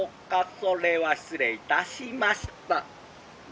それは失礼いたしました」。